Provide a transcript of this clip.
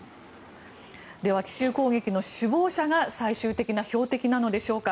では奇襲攻撃の首謀者が最終的な標的なのでしょうか。